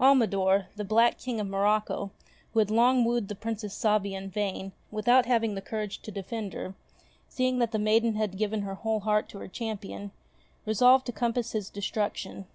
Almidor, the black King of Morocco, who had long wooed the Princess Sabia in vain, without having the courage to defend her, seeing that the maiden had given her whole heart to her champion, resolved to compass his destruction.